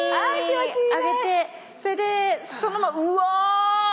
上に上げてそれでそのままうわ。